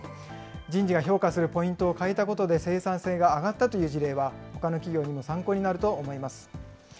人事が評価するポイントを変えたことで生産性が上がったという事例は、ほかの企業にも参考になると思います。